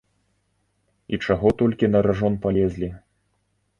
І чаго толькі на ражон палезлі?